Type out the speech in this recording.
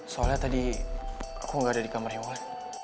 soalnya tadi aku gak ada di kamarnya wulan